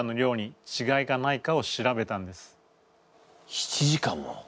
７時間も？